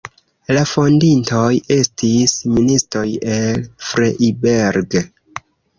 La fondintoj estis ministoj el Freiberg.